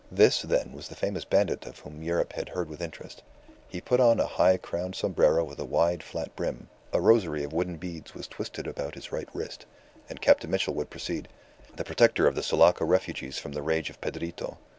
This, then, was the famous bandit of whom Europe had heard with interest. He put on a high crowned sombrero with a wide flat brim; a rosary of wooden beads was twisted about his right wrist. And Captain Mitchell would proceed "The protector of the Sulaco refugees from the rage of Pedrito.